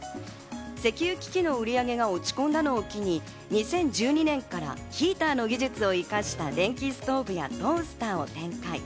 石油機器の売り上げが落ち込んだのを機に２０１２年からヒーターの技術を生かした電気ストーブやトースターを展開。